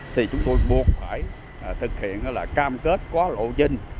thì chúng tôi buộc phải thực hiện cam kết có lộ trinh